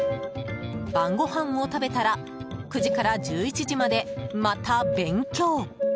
晩ごはんを食べたら９時から１１時まで、また勉強。